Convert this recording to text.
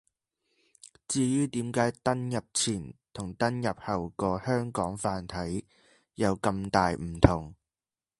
至於點解登入前同登入後個「香港繁體」有咁大唔同